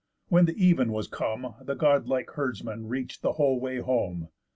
When the even was come, The God like herdsman reach'd the whole way home.